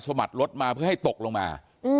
มัดรถมาเพื่อให้ตกลงมา